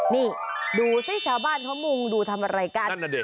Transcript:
นี่ดูสิชาวบ้านเขามุงดูทำอะไรกัน